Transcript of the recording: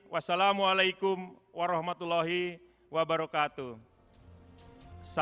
wassalamualaikum warahmatullahi wabarakatuh